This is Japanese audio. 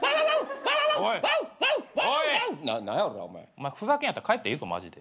お前ふざけるんやったら帰ってええぞマジで。